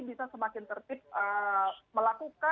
bisa semakin tertib melakukan